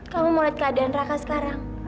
kamu mau lihat keadaan raka sekarang